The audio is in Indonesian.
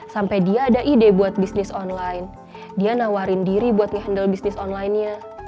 sampai dia ada ide buat bisnis online dia nawarin diri buat ngehandle bisnis onlinenya